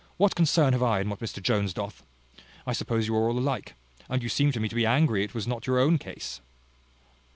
What concern have I in what Mr Jones doth? I suppose you are all alike. And you seem to me to be angry it was not your own case."